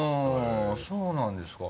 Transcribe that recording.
そうなんですか。